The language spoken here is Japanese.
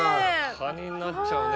カニになっちゃうね。